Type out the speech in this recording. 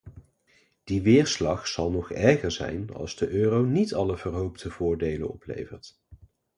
Die weerslag zal nog erger zijn als de euro niet alle verhoopte voordelen oplevert.